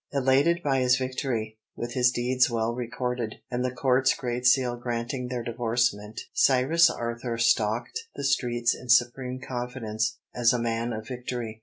Elated by his victory, with his deeds well recorded, and the court's great seal granting their divorcement, Cyrus Arthur stalked the streets in supreme confidence as a man of victory.